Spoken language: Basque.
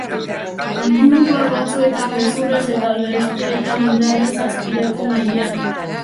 Ingurukoak batzuetan gezurrez eta bestetan indarrez azpiratu nahian.